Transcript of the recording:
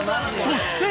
［そして］